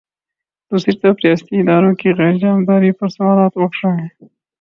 دوسری طرف ریاستی اداروں کی غیر جانب داری پر سوالات اٹھ رہے ہیں۔